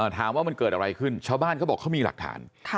ถามว่ามันเกิดอะไรขึ้นชาวบ้านเขาบอกเขามีหลักฐาน